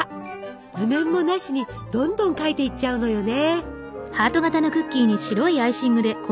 図面もなしにどんどん描いていっちゃうのよね。